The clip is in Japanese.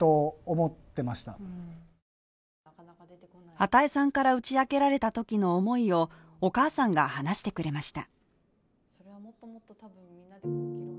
與さんから打ち明けられたときの思いをお母さんが話してくれました。